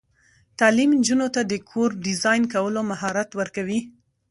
تعلیم نجونو ته د کور ډیزاین کولو مهارت ورکوي.